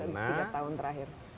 tidak tahun terakhir